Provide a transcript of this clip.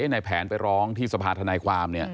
ในแผนไปร้องที่สภาธนายความ